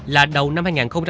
là đầu năm hai nghìn một mươi sáu